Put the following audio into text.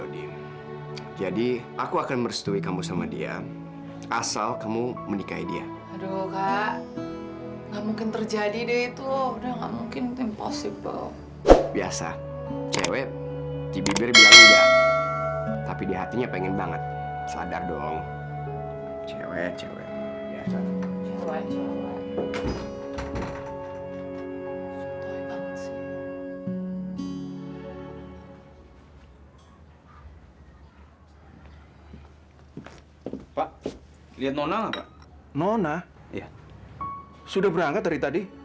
diduga mereka sudah menikah siri karena dipergoki